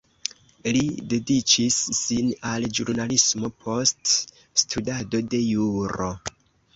Li dediĉis sin al ĵurnalismo post studado de juro.